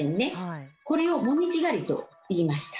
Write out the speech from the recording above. これを「もみじ狩り」と言いました。